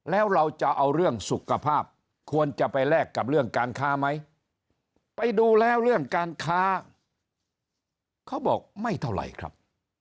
แล้วเราจะเอาเรื่องสุขภาพควรจะไปแลกกับเรื่องการค้าไหมไปดูแล้วเรื่องการค้าเขาบอกไม่เท่าไหร่ครับ